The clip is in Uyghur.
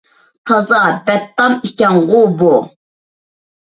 تازا بەتتام ئىكەنغۇ بۇ.